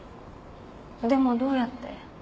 でもどうやって？